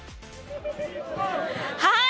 はい！